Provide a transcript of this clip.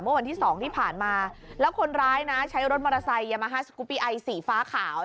เมื่อวันที่สองที่ผ่านมาแล้วคนร้ายนะใช้รถมอเตอร์ไซค์ยามาฮัสสกุปปี้ไอสีฟ้าขาว